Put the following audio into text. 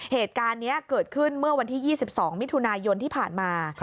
เหตุการณ์นี้เกิดขึ้นเมื่อวันที่๒๒มิถุนายนที่ผ่านมา